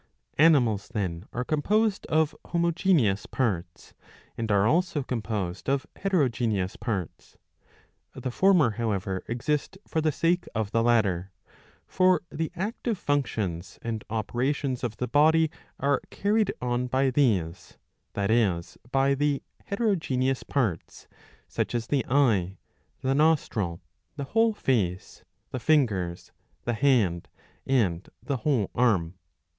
^ Animals then are composed of homogeneous parts, and are also composed of heterogeneous parts. The former however exist for the sake of the latter.^ For the active functions and operations of the body are carried on by these ; that is, by the heterogeneous parts, such as the eye, the nostril, the whole face, the fingers, the hand, and the whole arm.